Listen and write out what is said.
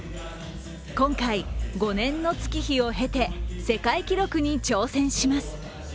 今回、５年の月日を経て、世界記録に挑戦します。